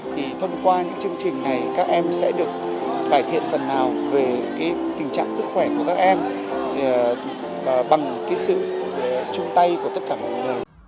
thì thông qua những chương trình này các em sẽ được cải thiện phần nào về tình trạng sức khỏe của các em bằng cái sự chung tay của tất cả mọi người